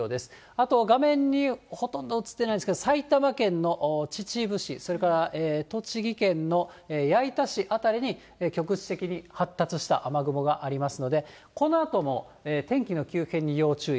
あと画面にほとんど映ってないんですけれども、埼玉県の秩父市、それから栃木県の矢板市辺りに局地的に発達した雨雲がありますので、このあとも、天気の急変に要注意。